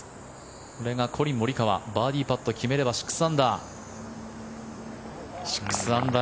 これがコリン・モリカワバーディーパット決めれば６アンダー。